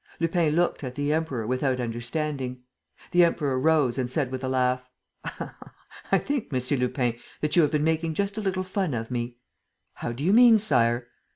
Lupin looked at the Emperor without understanding. The Emperor rose and said, with a laugh: "I think, M. Lupin, that you have been making just a little fun of me." "How do you mean, Sire?"